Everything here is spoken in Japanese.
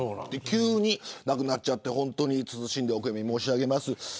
急に亡くなっちゃって謹んでお悔み申し上げます。